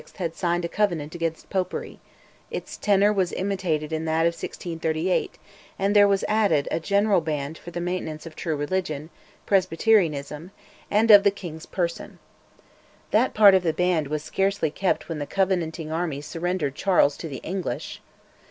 had signed a covenant against popery; its tenor was imitated in that of 1638, and there was added "a general band for the maintenance of true religion" (Presbyterianism) "and of the King's person." That part of the band was scarcely kept when the Covenanting army surrendered Charles to the English.